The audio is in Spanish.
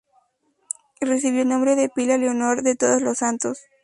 Recibió el nombre de pila de Leonor de Todos los Santos.